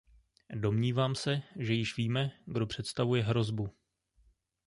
Domnívám se, že již víme, kdo představuje hrozbu.